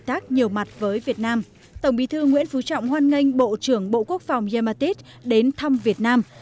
hợp tác nhiều mặt với việt nam tổng bí thư nguyễn phú trọng hoan nghênh bộ trưởng bộ quốc phòng yamatit đến thăm việt nam